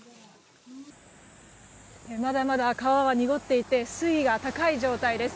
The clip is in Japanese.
まだまだ川は濁っていて水位は高い状態です。